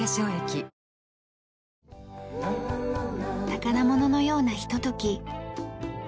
宝物のようなひととき。